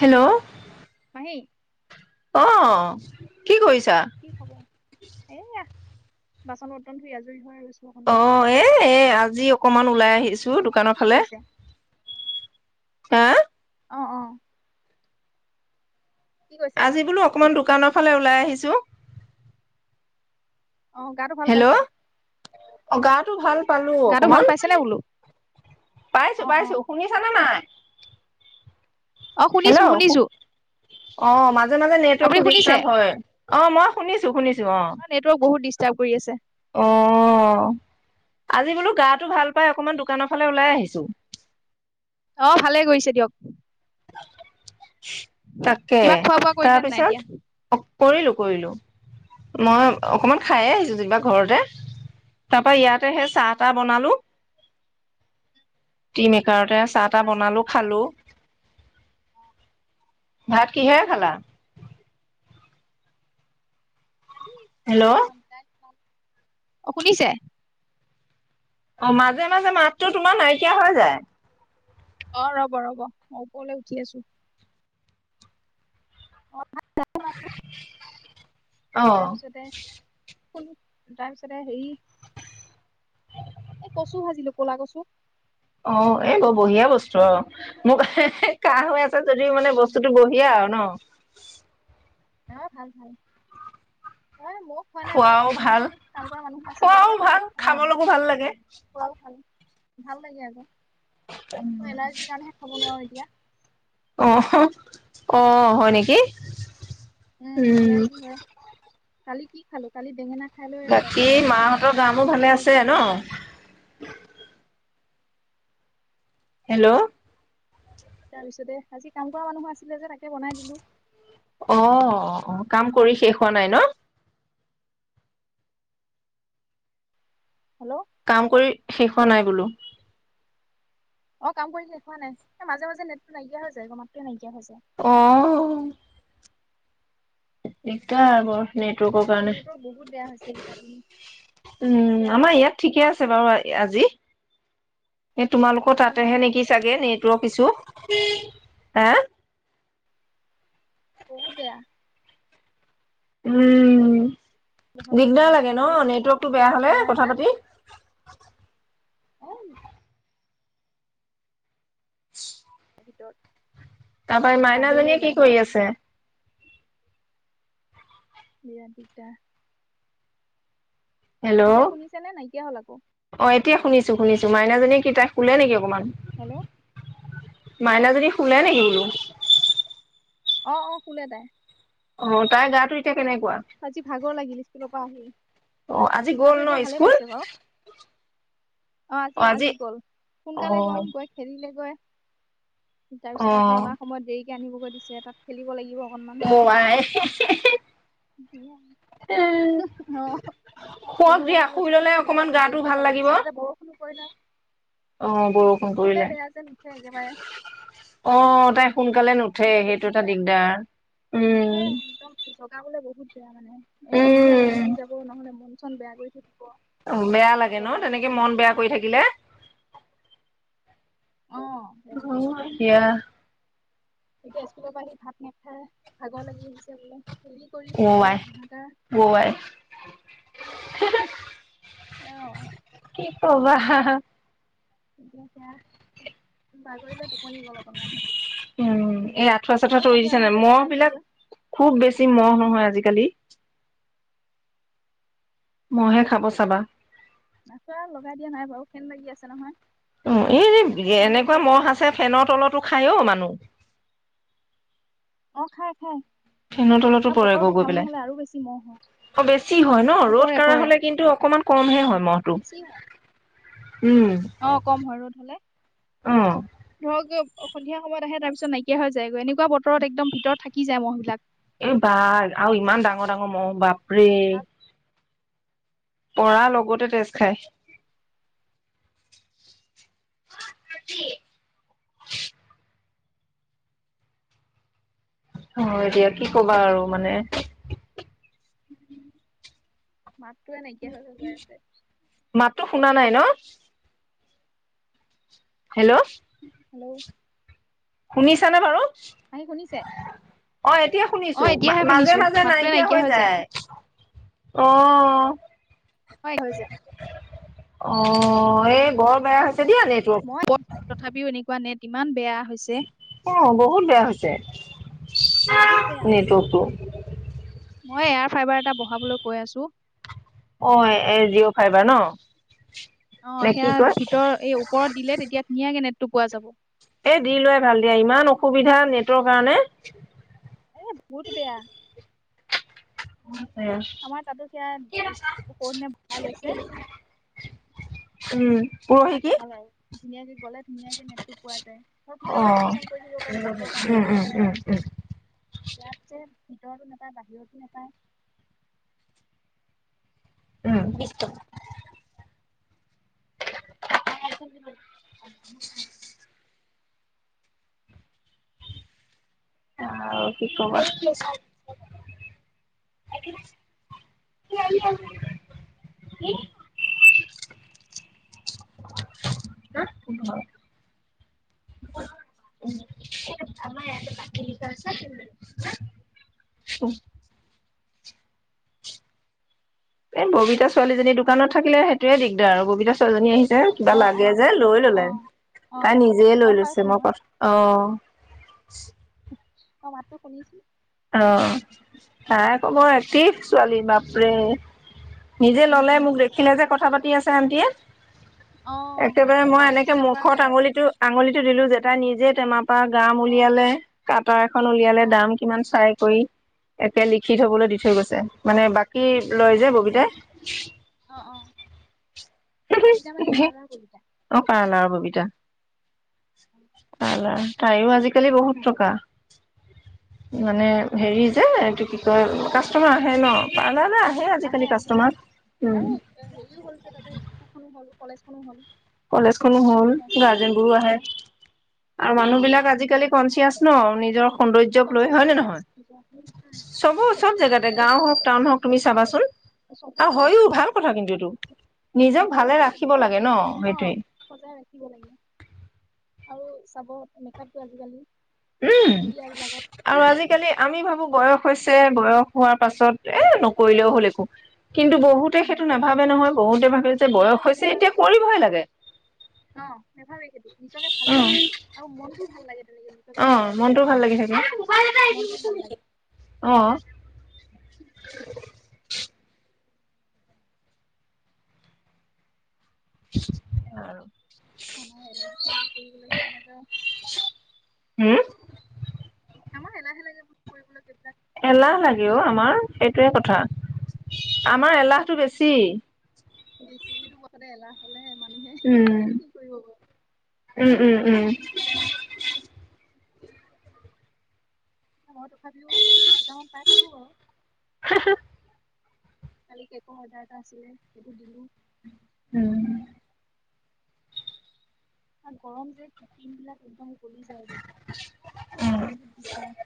Hello, আহে, অ', কি কৰিছ? কি খবৰ এইয়া, বাচন - বৰ্তন ধুই আজুৰি হয়, অ', - এ ', এ', আজি অকমান, ওলায় আহিছো। তোৰ দোকানৰ কি ফালে, কৰিছে? হা', অ-অ আজি বোলো অকমান দুক, দোকানৰ ফালে ওলাই আহিছোঁ। অ ', গাটো ভাল পাইছে? অ', গাটো ভাল, পালো গাটো ভাল অকমান পাইছে নে বোলো? পাইছো অ অ। -পাইছো শুনিছা নে নাই? অ ', হেল্ল' শুনিছো-শুনিছো অ', মান মাজে-মাজে নেটৱৰ্কটো ডিষ্টাৰ্ব হয়', অ', মই শুনিছো', শুনিছো। অ', নেটৱৰ্ক বহুত দিষ্ট, কৰি আছে, অ ', আজি বোলো গাটো ভাল পাই অকমান দোকানৰ ফালে ওলাই আহিছো। অ ', ভালে কৰিছে দিয়ক। তাকে কিবা খোৱা বোৱা কৰিলে নে নাই এতিয়া? তাৰপিছত অ ', কৰিলো- কৰিলো মই অ অকমান খায়েই আহিছো। যিবা ঘৰতে তাৰ পৰাা ইয়াতে সেই চাহ তাহ বনালো টি মেকাৰতে আছে। চাহ তাহ বনাই বনালো খালে আৰু খালো। অ ভাত কিহেৰে খালা? আ হেল্ল' নম [inaudible] অ' শুনিছে? অ' মাজে -মাজে মাতটো তোমাৰ নাইকিয়া হৈ যায়। অ' ৰ'ব ৰ'ব মই ওপৰলে উঠি আছো। অ অ ' তাৰপিছতে তাৰপিছতে হেৰি এ কচু ভাজিলো কলা কচু। অ' এই ব বঢ়িয়া বস্তু আৰু মোক কাহ হৈ আছে। যদি মানে উম বস্তুটো বঢ়িয়া আৰু ন? অ' ভাল, ভাল। হয় ময়ো খোৱা নাই বাৰু। খোৱাও ভাজি ভাল দিছিলোঁ, কাম কৰা মানুহ আছিলে খোৱাও যে। ভাল অ' খাবলৈকো ভাল লাগে খোৱা ভাল। ভাল লাগে আকৌ। মই এলাৰ্জিৰ কাৰণেহে খাব নোৱাৰো এতিয়া অ'। অ' হয় নেকি? উম। এলাৰ্জি হয় কালি কি খালো, কালি বেঙেনা। খাই লৈ বাকী ৰাতিপুৱা মাহঁতৰ গা-মূৰ ভালে আছে একদম ন? এলাহ গা হেল্ল'। তাৰপিছতে, আজি কাম কৰা মানুহ আছিলে যে তাকে বনাই দিলো। অ', অ' কাম কৰি শেষ হোৱা নাই ন? হেল্ল'। কাম কৰি শেষ হোৱা নাই বোলো। অ' কাম কৰি শেষ হোৱা নাই। মাজে- মাজে নেটটো নাইকিয়া হৈ যায়, মাতটোৱেই নাই [unintelligible] অ'। একটা আগৰ। নেটৱৰ্কৰ কাৰণে। নেটৰ বহুত বেয়া হৈছে এইকেইটা দিন বহুত উম, বেয়া আমাৰ হৈছে ইয়াত ঠিকে আছে বাৰু আজি। এই তোমালোকৰ ৰাতিও ভাল তাতেহে নহয় নেকি চাগে, নেটৱৰ্ক ইছু। হা বহুত বেয়া। উম। বহাবলৈ দি দিগদাৰ আছো লাগে ন? এইটো নেটৱৰ্কতটো বেয়া এয়াৰ হ'লে ফাইবাৰ কথা এটা পাতি। [inaudible] এ [unintelligible] [unintelligible] তাৰপা এই বাহিৰলৈ মাইনাজনীয়ে ওলাই কি আহিব কৰি লাগে আছে? বিৰাট দিগদাৰ। হেল্ল' এতিয়া শুনিছে নে নাইকিয়া হ'ল আকৌ? অ' এতিয়া শুনিছো শুনিছো, মাইনাজনী কি তাই শুলে নেকি অকণমান? হেল্ল' মাইনাজনী শুলে নেকি বোলো? অ' অ' শুলে তাই। অ' তাইৰ গাটো এতিয়া কেনেকুৱা? আজি ভাগৰ লাগিল স্কুলৰ পৰা আহি। অ' আজি গ'ল গাটো এতিয়া ন ভালে স্কুল? পাইছে বাৰু। অ' আজি-আজি গ'ল, সোনকালে অ' গ'ল, গৈ খেলিলে গৈ। অ' অ' তাৰপিছত আকৌ অনাৰ সময়ত দেৰি আনিব গৈ দিছে, তাত খেলিব লাগিব। অকনমান মোৰ মাই হিহি। অঁ শুৱক খেলিব দিয়া লাগিব শুই যে ললে অকমান সেইকাৰণে গাটো দেৰিকে যাব দিছে তাতে বৰষুণো পৰি নাই। অঁ বৰষুণ কৰিলে অঁ তাই একেবাৰে শুনকালে? সোনকালে নুঠে শুলে বহুত সেইটো এটা বেয়া দিগদাৰ উম। তেতিয়া মানে এ সন্ধিয়া উম। লাগি যাব নহ'লে মন চন বেয়া কৰি থাকিব। বেয়া লাগে ন জগাই দিলে তেনেকে মন কান্দিব বেয়া কৰি থাকিলে? অ বেয়া লাগে এয়া। এতিয়া স্কুলৰ পৰা আহি ভাত নাখায় ভাগৰ লাগি আহিছে বোলে? হেৰি কৰি অঁ আই ভাগৰত হাহাকাৰ অঁ আই। এ অঁ ৱাহ অঁ ৱাহ। এতিয়া। বাগৰিলে টোপনি গ'ল অকনমান উম এই আঁঠুৱা চাঠুৱা এতিয়া তৰি সন্ধিয়া দিছো নে নহওঁতে মহ জগাই বিলাক দিওঁগৈ খুব বেছি মহ নহয় আজি কালি। কালি। মহে খাব চাবা। নাচা লগাই দিয়া নাই বাৰু ফেন বাগি আছে নহয়। এ ফেন লাগি এনেকুৱা ম'হ যে আছে ফেনৰ তলতো খায়েই অঁ মানুহ। অঁ খাই খাই। ফেনৰ তলতো আৰু বতৰটো পৰেগৈ গৈ ভাল পেলাই নহ'লে আৰু বেছি মহ হয় অঁ বেছি হয় ন অ ৰ'দ পৰে কাঢ়া পৰে হলে কিন্তু অকমান কমহে হয় মহটো। উম, অঁ কম হয় ৰ'দ হলে অ'। ধৰক। অঁ সন্ধিয়ায়ত আহে তাৰ পিছত নাইকিয়া হৈ যায় গৈ এনেকুৱা বতৰত একদম ভিতৰত থাকি যায় মহ বিলাক। এ বাই আৰু ইমান ডাঙৰ ডাঙৰ মহ বাপৰে। পৰা লগতে তেজ খাই। অ এতিয়া কি কবা আৰু মানে। মাতটো নাইকিয়া হৈ হৈ গৈ আছে। মাততো শুনা [unintelligible] হেল্ল' হেল্ল' শুনিছানে বাৰু। আহি শুনিছে অ এতিয়া অ শুনিছো এতিয়াহে মাজে শুনিছো মাজে মাতটোৱে নাইকিয়া হৈ যায়। অ হয় হৈ যায়। অ এই বৰ বেয়া হৈছে? দিয়া নেটৱৰ্ক মই তথাপিও এনেকুৱা নেট। ইমান বেয়া হৈছে? অ বহুত বেয়া হৈছে? বহুত বেয়া নেটৱৰ্কটো মই এয়াৰ ফাইবাৰ এটা বহাবলৈ কৈ আছোঁ। অ এ জিঅ' ফাইভাৰ ন অ নে কি সেয়া কয় ভিতৰত এই ওপৰত দিলে তেতিয়া ধুনীয়াকে নেট টো পোৱা যাব। এ দি লোৱাই ভাল দিয়া ইমান অসুবিধা নেটৰ কাৰণে এ বহুত বেয়া উম আমাৰ তাতো সেয়া সৌদিনা বহাই লৈছে [unintelligible] উম পৰহি তাত কি ভাল আৰু ধুনীয়াকে গলে ধুনীয়াকে নেটটো পোৱা যায় ত অ ভিতৰতে কাম চাম কৰি দিব পাৰি নেটৰ কাম উম বিলাক উম আৰু উম ইয়াত যে। ভিতৰতো নেপায় বাহিৰতো নেপায়। উম বিশ টকা [inaudible] আৰু কি কবা। উম আমাৰ ইয়াতে বাকি দিকাইছে কেলে উম। এ ববিতা ছোৱালীজনীৰ দোকানত থাকিলে সেইটোয়ে দিগদাৰ আৰু ববিতা ছোৱালীজনী আহি এ কিবা অ অ লাগে যে লৈ অ ললে অ তাই অ নিজে গম লৈ পাইছো লৈছে মই কথা অ [unintelligible] মই মাতটো শুনিছো। অ নাই আক মই কি ছোৱালী বাপৰে। নিজে উম ললে উম মোক দেখিলে যে কথা পাতে কি আছে আনটিয়ে অ একেবাৰে মই এনেকে ডিষ্টাৰ্ব কৰা মুখত নাই আৰু আঙুলিটো আঙুলিত দিলো যে তাই টেমাত তা গ্ৰাম অ উলিয়ালে কাটৰ এখন উলিয়ালে অ দাম কিমান। ট্ৰাই কৰি এতিয়া লিখি থবলৈ অ', দি থৈ গৈছে। মানে বাক কি লয় যে অ', ববিতাই অ', অ', ববিতা মানে এই পাৰ্লাৰ ববিতা। অ কাৰণ আৰু ব ববিতা। পাৰ্লাৰ তাইও আজিকালি বহুত টকা মানে উম। হেৰি যে এইটো কি ত কাষ্টমাৰ আহে ন পাৰ্লাৰ না। আহে আহে আৰু হেৰিও হল যে তাতে স্কুলখনো হ'ল কলেজখনো হ'ল। কলেজখনো হ'ল, ল'ৰা ছোৱালীবিলাকো গাৰ্জেন বোৰো সোমাইছে। আহে আৰু আহে মানুহ অ', বিলাক সেইটোৱে আজিকালি তেনেকুৱা কনচিয়াচ ন নিজৰ অ', সৌন্দৰ্যক লৈ পঞ্চায়ত হয় নে পঞ্চায়ত নহয় চবো চব পঞ্চায়ত জেগাতে আৰু গাওঁ হওঁক টাউন হওঁক তুমি চা চাবাচোন আৰু চবতে হয়ো ভাল আজিকালি কথা কিন্তু এইটো অ নিজক ভাল ভালে সেইটো ৰাখিব লাগে ন নিজকে অ' সেইটোৱে সজাই ৰাখিব লাগে। আৰু চাব, মেকআপটো আজিকালি উম! বিয়াবিলাকত আৰু আজিকালি আমি ভাবোঁ বয়স হৈছে বয়স হোৱাৰ পাছত এ নকৰিলেও হ'ল একো। কিন্তু, বহুতে উম, সেইটো নেভাবে নহয়, বহুতে ভাবে যে বয়স নেভাবে হৈছে নেভাবে এতিয়া কৰিবহে লাগে। অ', নেভাবে সেইটো নিজকে ভালে আৰু মনটো ভাল লাগে তেনেকে অ নিজকে অ ভালে মনটো ৰাখিলে ভাল লাগি থাকে। মনটো ভাল লাগে। অ [unintelligible] সেয়াই আৰু মানুহৰ এলাহ লাগে কৰিবলে হোম আমাৰ এলাহ লাগে সেইবোৰ কৰিবলৈ দিগদাৰ। এলাহ লাগে অ আমাৰ সেইটোৱে কথা, আমাৰ এলাহটো বেছি। বেছি কথাতে এলাহ হ'লে হে উম, উম উম উম। মই তথাপিও কেইটামান পাই থাকো বাৰু কালি কেকৰ অৰ্ডাৰ এটা আছিলে সেইটো দিলো। উম উম গৰম যে স্কিন বিলাক একদম ফুলি যায়গৈ বহুত দিগদাৰ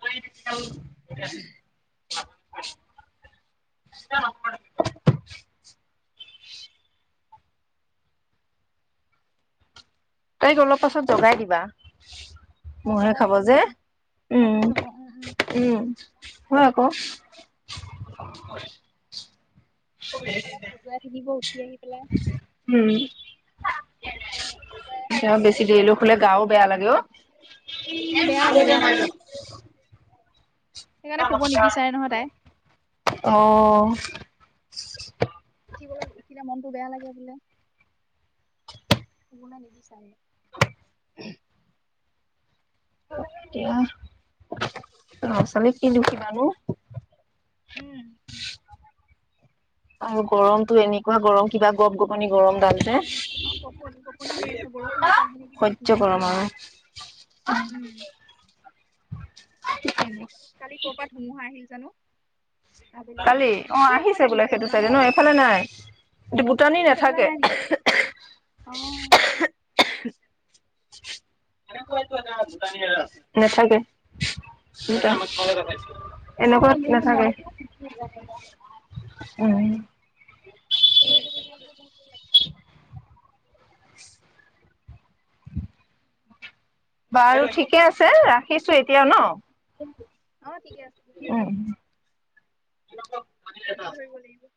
হয় [unintelligible] এ [unintelligible] [unintelligible] তাইক অলপ পাছত জগাই দিবা অ মহে লগাই খাব দিব যে, লাগিব মইহে উম খাব উম উম হ উফ বহাই থ'লে খজোৱাই থাকিব উঠি আহি পেলাই উম অ বেছি কান্দি দেৰিলৈ থাকিব শুলে গাও মনে বেয়া লাগে মনে অ অ বেয়া লাগে বেয়া লাগে সেইকাৰণে শুব নিবিচাৰে নহয় তাই আহ [inaudible] উঠিবলৈ উঠিলে মনটো বেয়া লাগে বোলে। শুবলে নিবিচাৰে এতিয়া ল'ৰা ছোৱালীক কি দোখিবানো উম আৰু গৰমটো এনেকুৱা গৰম কিবা গপ গপনি এই তা গৰম ডাল যে গৰম, গপনি গপনি মাৰি আছে বৰষুণ আকৌ আহে নেকি ঠিক সহ্য নাই। গৰম আৰু। উম [unintelligible] কালি কৰ পৰা ধুমুহা আহিল জানো? আবেলি হ কালি অ দুপৰীয়া আহিছে সময়ত বোলে সেইটো হ'বলা চাইডে ন এইফালে নাই এইটো বুটানী অ সেইফালে নাথাকে নাই নেকি অ নাথাকে দু এনেকুৱাত নাথাকে উ বাৰু ঠিকে আছে ৰাখিছো এতিয়া ন, অ ঠিকে আছে হব ন ৰাতি ধৰিব লাগিব